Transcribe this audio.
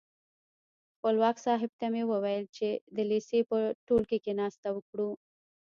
خپلواک صاحب ته مې وویل چې د لېسې په ټولګي کې ناسته وکړو.